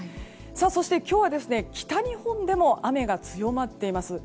そして、今日は北日本でも雨が強まっています。